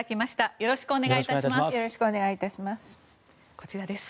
よろしくお願いします。